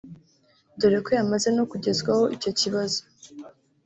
dore ko yamaze no kugezwaho icyo kibazo